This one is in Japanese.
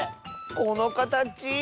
このかたち。